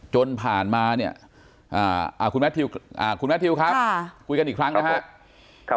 จนผ่านมาเนี่ยคุณแมททิวครับคุยกันอีกครั้งนะครับ